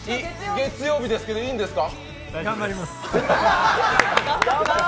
月曜日ですけど、いいんですか？